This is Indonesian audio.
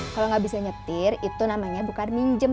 kalo ga bisa nyetir itu namanya bukan minjem